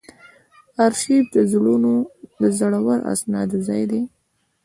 ارشیف د زړو اسنادو ځای دی